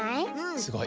すごい。